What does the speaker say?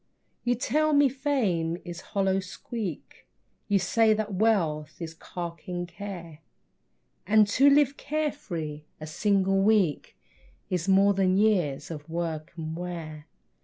You tell me fame is hollow squeak, You say that wealth is carking care; And to live care free a single week Is more than years of work and wear.